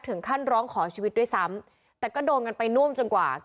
ถึงขั้นร้องขอชีวิตด้วยซ้ำแต่ก็โดนกันไปน่วมจนกว่า